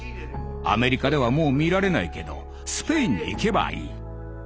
アメリカではもう見られないけどスペインに行けばいい。